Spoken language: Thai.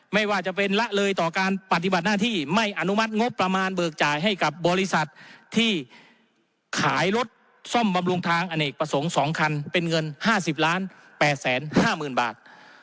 ไม่ว่าจะเป็นละเลยต่อการปฏิบัติหน้าที่ไม่อนุมัติงบประมาณเบิกจ่ายให้กับบริษัทที่ขายรถซ่อมบำรุงทางอเนกประสงค์๒คันเป็นเงิน๕๐๘๕๐๐๐บาท